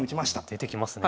出てきますね。